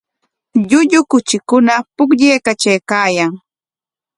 Llullu kuchikuna pukllaykatraykaayan.